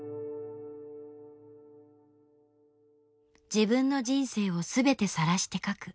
自分の人生を全てさらして書く。